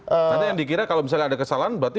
ada yang dikira kalau misalnya ada kesalahan berarti